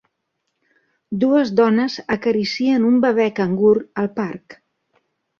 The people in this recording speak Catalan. Dues dones acaricien un bebè cangur al parc.